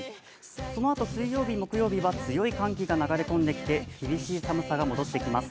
そのあと水曜日、木曜日は強い寒気が流れ込んできて厳しい寒さが戻ってきます。